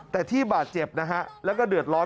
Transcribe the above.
แต่ที่บาดเจ็บนะฮะแล้วก็เดือดร้อน